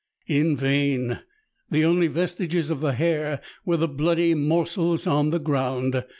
In vain ! the only vestiges of the hare were the bloody morsels on the ground.